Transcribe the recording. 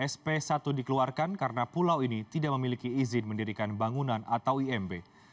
sp satu dikeluarkan karena pulau ini tidak memiliki izin mendirikan bangunan atau imb